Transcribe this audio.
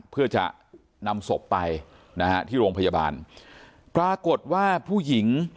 เพื่อจะนำศพไปนะฮะที่โรงพยาบาลปรากฏว่าผู้หญิง